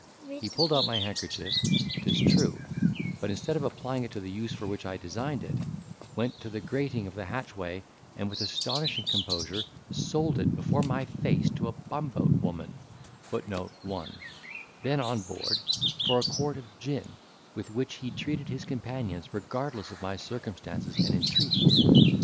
He pulled out my handkerchief, 'tis true, but instead of applying it to the use for which I designed it, went to the grating of the hatchway, and, with astonishing composure, sold it before my face to a bumboat woman (1) then on board, for a quart of gin, with which he treated his companions, regardless of my circumstances and entreaties.